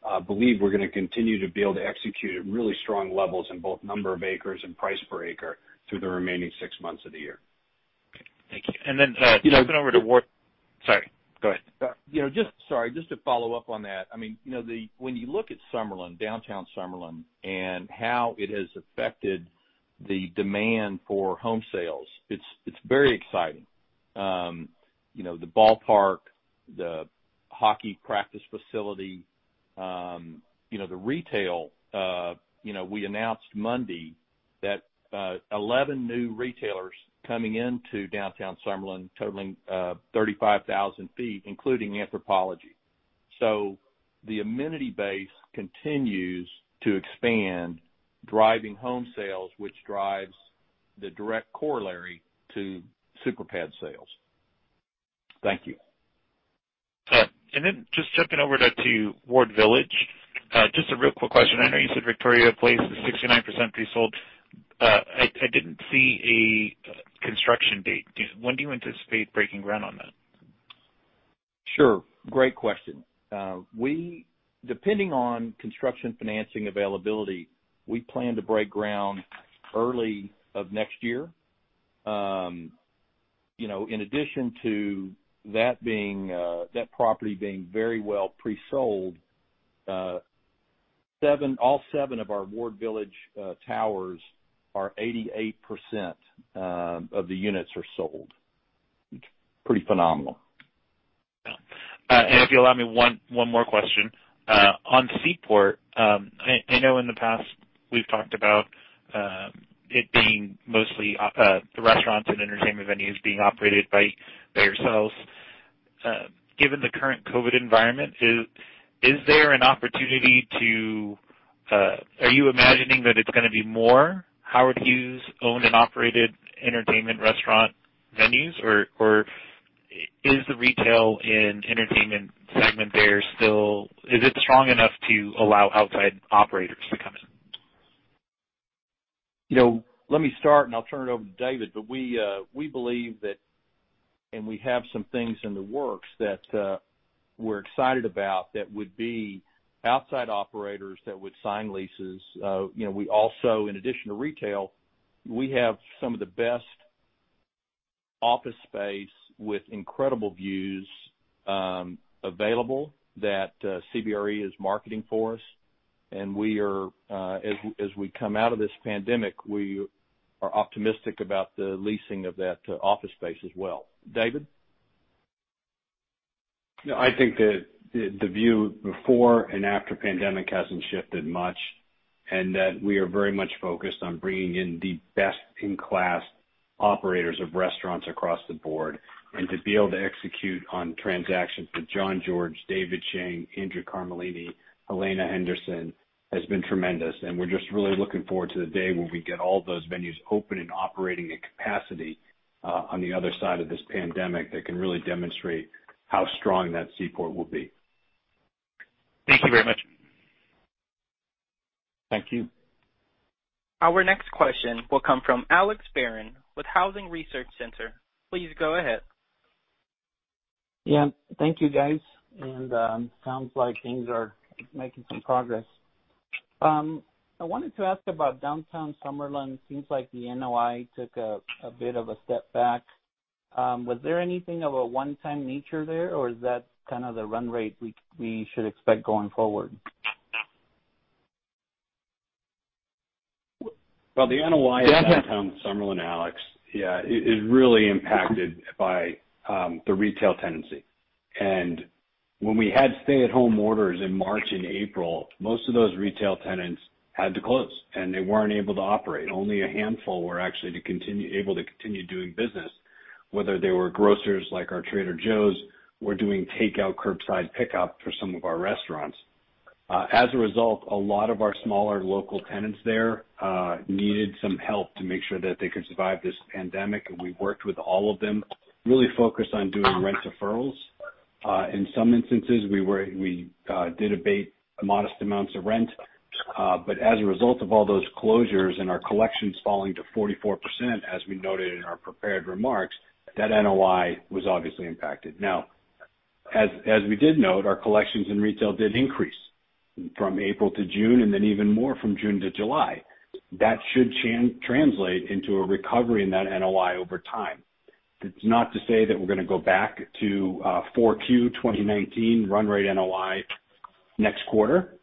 Speaker 4: I believe we're going to continue to be able to execute at really strong levels in both number of acres and price per acre through the remaining six months of the year.
Speaker 5: Thank you. Jumping over to Ward. Sorry, go ahead.
Speaker 3: Sorry, just to follow up on that. When you look at Summerlin, downtown Summerlin, and how it has affected the demand for home sales, it's very exciting. The ballpark, the hockey practice facility, the retail. We announced Monday that 11 new retailers coming into downtown Summerlin totaling 35,000 feet, including Anthropologie. The amenity base continues to expand, driving home sales, which drives the direct corollary to super pad sales. Thank you.
Speaker 5: Just jumping over to Ward Village. Just a real quick question. I know you said Victoria Place is 69% pre-sold. I didn't see a construction date. When do you anticipate breaking ground on that?
Speaker 3: Sure. Great question. Depending on construction financing availability, we plan to break ground early of next year. In addition to that property being very well pre-sold, all seven of our Ward Village towers are 88% of the units are sold, which is pretty phenomenal.
Speaker 5: If you allow me one more question. On Seaport, I know in the past, we've talked about it being mostly the restaurants and entertainment venues being operated by yourselves. Given the current COVID environment, are you imagining that it's going to be more Howard Hughes owned and operated entertainment restaurant venues, or is the retail and entertainment segment there still strong enough to allow outside operators to come in?
Speaker 3: Let me start, and I'll turn it over to David. We believe that, and we have some things in the works that we're excited about that would be outside operators that would sign leases. We also, in addition to retail, we have some of the best office space with incredible views available that CBRE is marketing for us. As we come out of this pandemic, we are optimistic about the leasing of that office space as well. David?
Speaker 4: I think that the view before and after pandemic hasn't shifted much, and that we are very much focused on bringing in the best in class operators of restaurants across the board. To be able to execute on transactions with Jean-Georges Vongerichten, David Chang, Andrew Carmellini, Helene Henderson, has been tremendous. We're just really looking forward to the day where we get all those venues open and operating at capacity on the other side of this pandemic that can really demonstrate how strong that Seaport will be.
Speaker 5: Thank you very much.
Speaker 3: Thank you.
Speaker 1: Our next question will come from Alex Barron with Housing Research Center. Please go ahead.
Speaker 6: Yeah. Thank you, guys. Sounds like things are making some progress. I wanted to ask about Downtown Summerlin. Seems like the NOI took a bit of a step back. Was there anything of a one-time nature there, or is that kind of the run rate we should expect going forward?
Speaker 4: Well, the NOI at Downtown Summerlin, Alex, yeah, is really impacted by the retail tenancy. When we had stay-at-home orders in March and April, most of those retail tenants had to close, and they weren't able to operate. Only a handful were actually able to continue doing business, whether they were grocers like our Trader Joe's or doing takeout curbside pickup for some of our restaurants. As a result, a lot of our smaller local tenants there needed some help to make sure that they could survive this pandemic, and we worked with all of them, really focused on doing rent deferrals. In some instances, we did abate modest amounts of rent. As a result of all those closures and our collections falling to 44%, as we noted in our prepared remarks, that NOI was obviously impacted. As we did note, our collections in retail did increase from April to June, and then even more from June to July. That should translate into a recovery in that NOI over time. It's not to say that we're going to go back to 4Q 2019 run rate NOI next quarter,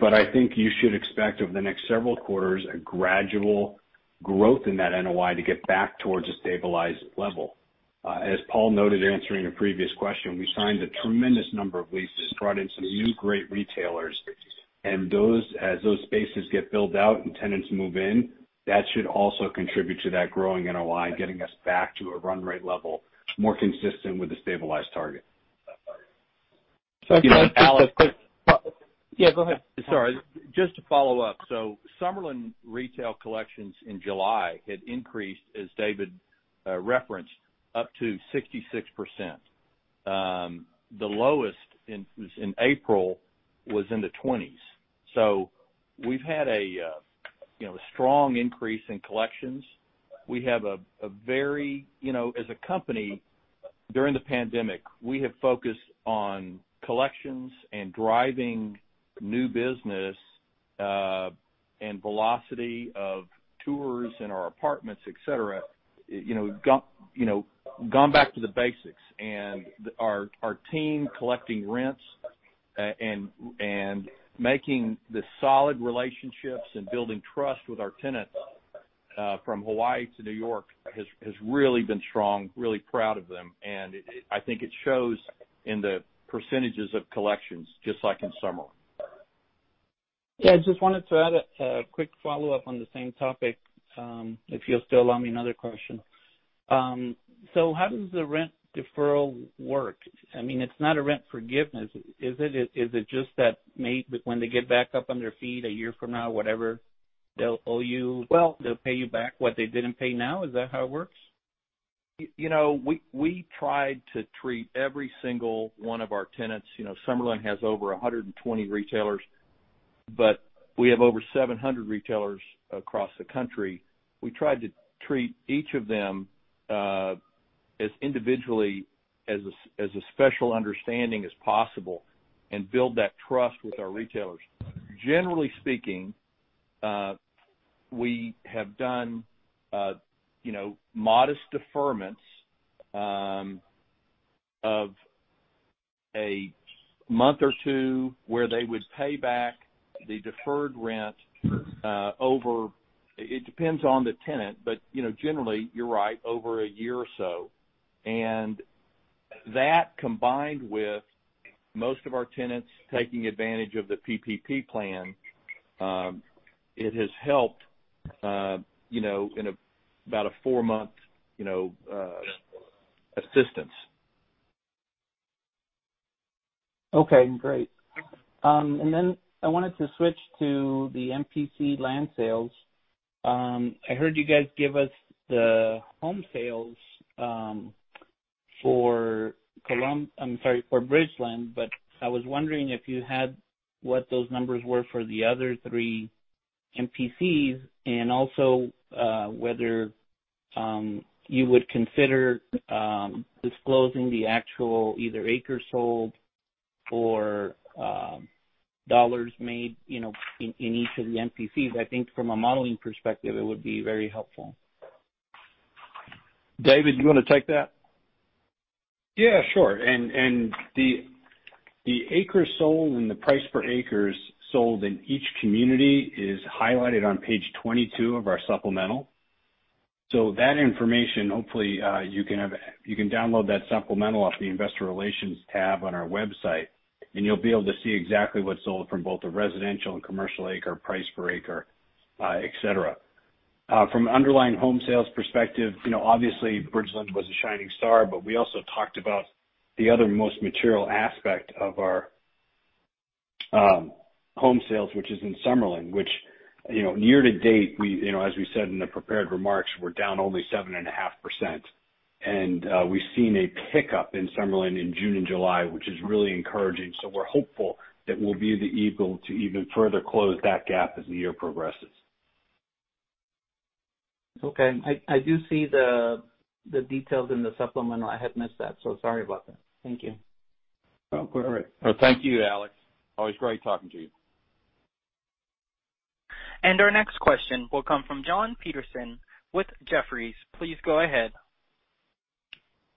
Speaker 4: but I think you should expect over the next several quarters, a gradual growth in that NOI to get back towards a stabilized level. As Paul noted answering a previous question, we signed a tremendous number of leases, brought in some new great retailers, and as those spaces get built out and tenants move in, that should also contribute to that growing NOI, getting us back to a run rate level more consistent with the stabilized target.
Speaker 3: Alex.
Speaker 6: Yeah, go ahead.
Speaker 3: Sorry. Just to follow up. Summerlin retail collections in July had increased, as David referenced, up to 66%. The lowest in April was in the 20s. We've had a strong increase in collections. As a company, during the pandemic, we have focused on collections and driving new business, and velocity of tours in our apartments, et cetera. We've gone back to basics, and our team collecting rents and making the solid relationships and building trust with our tenants, from Hawaii to New York, has really been strong. Really proud of them, and I think it shows in the percentages of collections, just like in Summerlin.
Speaker 6: Yeah, I just wanted to add a quick follow-up on the same topic, if you'll still allow me another question. How does the rent deferral work? It's not a rent forgiveness, is it? Is it just that maybe when they get back up on their feet a year from now, whatever, they'll owe you.
Speaker 3: Well.
Speaker 6: They'll pay you back what they didn't pay now. Is that how it works?
Speaker 3: We tried to treat every single one of our tenants. Summerlin has over 120 retailers, but we have over 700 retailers across the country. We tried to treat each of them as individually, as a special understanding as possible, and build that trust with our retailers. Generally speaking, we have done modest deferments of a month or two where they would pay back the deferred rent over. It depends on the tenant, but generally, you're right, over a year or so. That, combined with most of our tenants taking advantage of the PPP plan, it has helped in about a four-month assistance.
Speaker 6: Okay, great. I wanted to switch to the MPC land sales. I heard you guys give us the home sales for Bridgeland, but I was wondering if you had what those numbers were for the other three MPCs and also whether you would consider disclosing the actual either acres sold or dollars made in each of the MPCs. I think from a modeling perspective, it would be very helpful.
Speaker 3: David, you want to take that?
Speaker 4: Sure. The acres sold and the price per acres sold in each community is highlighted on page 22 of our supplemental. That information, hopefully you can download that supplemental off the investor relations tab on our website, and you'll be able to see exactly what's sold from both the residential and commercial acre, price per acre, et cetera. From an underlying home sales perspective, obviously Bridgeland was a shining star, we also talked about the other most material aspect of our home sales, which is in Summerlin, which year to date, as we said in the prepared remarks, we're down only 7.5%. We've seen a pickup in Summerlin in June and July, which is really encouraging. We're hopeful that we'll be able to even further close that gap as the year progresses.
Speaker 6: Okay. I do see the details in the supplemental. I had missed that, so sorry about that. Thank you.
Speaker 3: No, go ahead. No, thank you, Alex. Always great talking to you.
Speaker 1: Our next question will come from Jon Petersen with Jefferies. Please go ahead.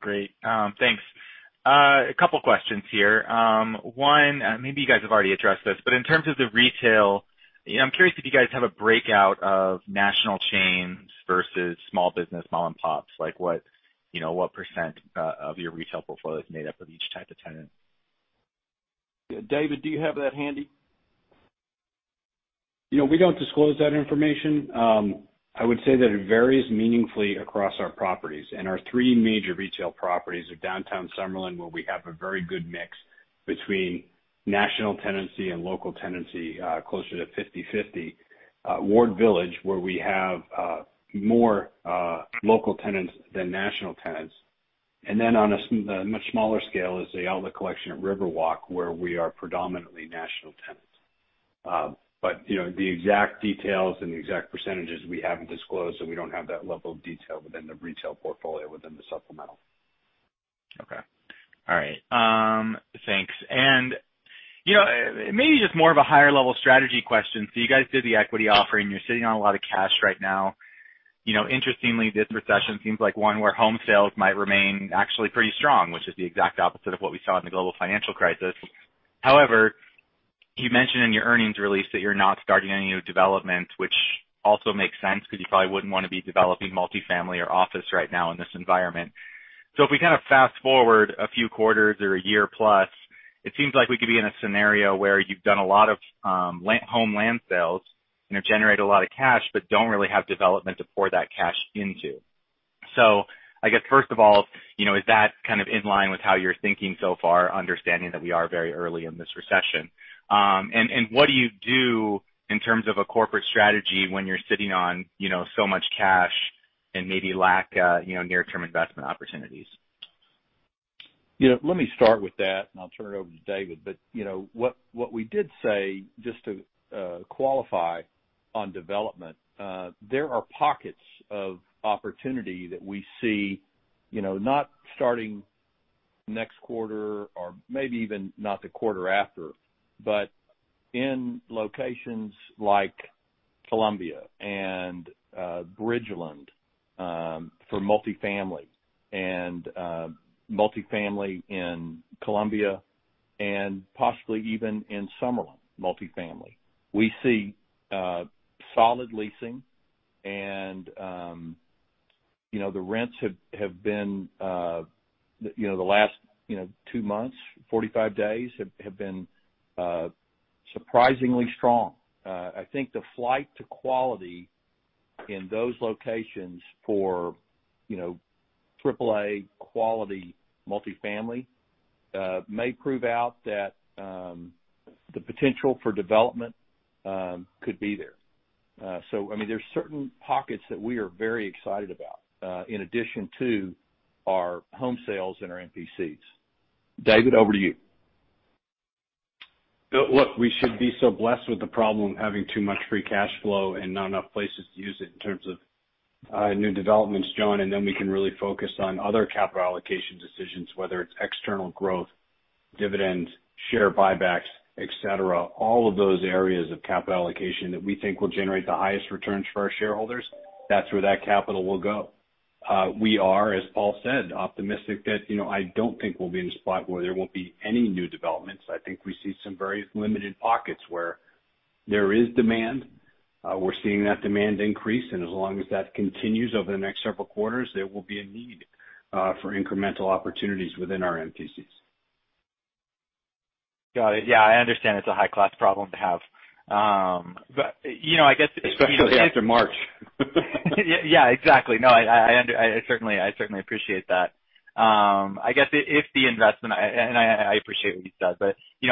Speaker 7: Great, thanks. A couple questions here. One, maybe you guys have already addressed this, in terms of the retail, I'm curious if you guys have a breakout of national chains versus small business mom and pops, like what % of your retail portfolio is made up of each type of tenant?
Speaker 3: David, do you have that handy?
Speaker 4: We don't disclose that information. I would say that it varies meaningfully across our properties. In our three major retail properties are Downtown Summerlin, where we have a very good mix between national tenancy and local tenancy, closer to 50/50. Ward Village, where we have more local tenants than national tenants. Then on a much smaller scale is The Outlet Collection at Riverwalk, where we are predominantly national tenants. The exact details and the exact percentages we haven't disclosed, so we don't have that level of detail within the retail portfolio within the supplemental.
Speaker 7: Okay. All right. Thanks. Maybe just more of a higher level strategy question. You guys did the equity offering. You're sitting on a lot of cash right now. Interestingly, this recession seems like one where home sales might remain actually pretty strong, which is the exact opposite of what we saw in the global financial crisis. However, you mentioned in your earnings release that you're not starting any new developments, which also makes sense because you probably wouldn't want to be developing multi-family or office right now in this environment. If we kind of fast-forward a few quarters or a year plus, it seems like we could be in a scenario where you've done a lot of home land sales and have generated a lot of cash but don't really have development to pour that cash into. I guess first of all, is that kind of in line with how you're thinking so far, understanding that we are very early in this recession? What do you do in terms of a corporate strategy when you're sitting on so much cash and maybe lack near-term investment opportunities?
Speaker 3: Let me start with that, and I'll turn it over to David. What we did say, just to qualify on development, there are pockets of opportunity that we see, not starting next quarter or maybe even not the quarter after, but in locations like Columbia and Bridgeland, for multifamily, and multifamily in Columbia and possibly even in Summerlin, multifamily. We see solid leasing and the rents have been, the last two months, 45 days, have been surprisingly strong. I think the flight to quality in those locations for AAA quality multifamily may prove out that the potential for development could be there. There's certain pockets that we are very excited about in addition to our home sales and our MPCs. David, over to you.
Speaker 4: Look, we should be so blessed with the problem of having too much free cash flow and not enough places to use it in terms of new developments, John, and then we can really focus on other capital allocation decisions, whether it's external growth, dividends, share buybacks, et cetera. All of those areas of capital allocation that we think will generate the highest returns for our shareholders, that's where that capital will go. We are, as Paul said, optimistic that, I don't think we'll be in a spot where there won't be any new developments. I think we see some very limited pockets where there is demand. We're seeing that demand increase, and as long as that continues over the next several quarters, there will be a need for incremental opportunities within our MPCs.
Speaker 7: Got it. Yeah, I understand it's a high-class problem to have.
Speaker 4: Especially after March.
Speaker 7: Yeah, exactly. I certainly appreciate that. I appreciate what you said,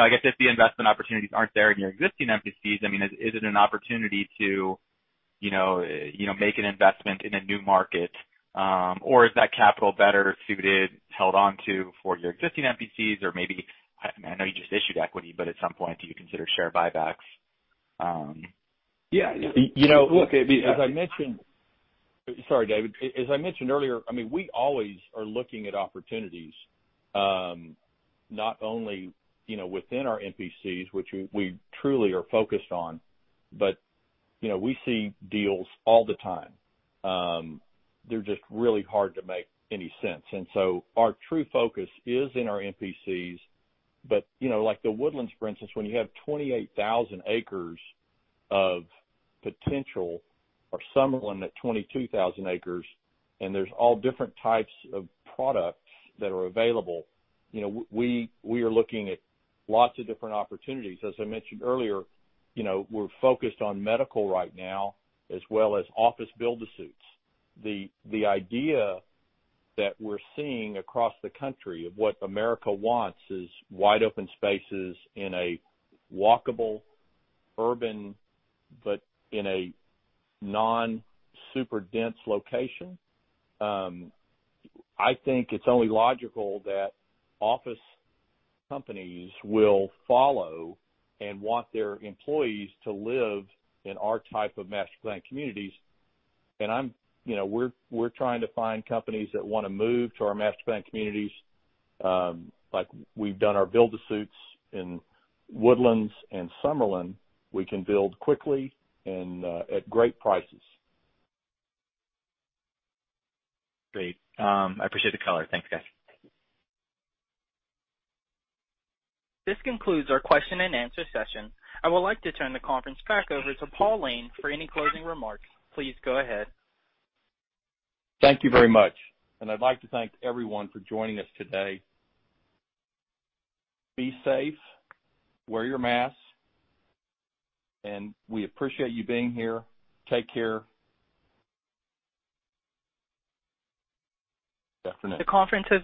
Speaker 7: I guess if the investment opportunities aren't there in your existing MPCs, is it an opportunity to make an investment in a new market? Is that capital better suited held onto for your existing MPCs? Maybe. I know you just issued equity, but at some point, do you consider share buybacks?
Speaker 4: Yeah.
Speaker 3: Look, as I mentioned Sorry, David. As I mentioned earlier, we always are looking at opportunities, not only within our MPCs, which we truly are focused on, but we see deals all the time. They're just really hard to make any sense. Our true focus is in our MPCs. Like The Woodlands, for instance, when you have 28,000 acres of potential, or Summerlin at 22,000 acres, and there's all different types of products that are available, we are looking at lots of different opportunities. As I mentioned earlier, we're focused on medical right now, as well as office build-to-suits. The idea that we're seeing across the country of what America wants is wide open spaces in a walkable, urban, but in a non-super dense location. I think it's only logical that office companies will follow and want their employees to live in our type of master-planned communities. We're trying to find companies that want to move to our master-planned communities. Like we've done our build-to-suits in Woodlands and Summerlin. We can build quickly and at great prices.
Speaker 7: Great. I appreciate the color. Thanks, guys.
Speaker 1: This concludes our question and answer session. I would like to turn the conference back over to Paul Layne for any closing remarks. Please go ahead.
Speaker 3: Thank you very much. I'd like to thank everyone for joining us today. Be safe, wear your mask, and we appreciate you being here. Take care. That's it.
Speaker 1: The conference has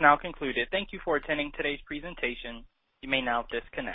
Speaker 1: now concluded. Thank you for attending today's presentation. You may now disconnect.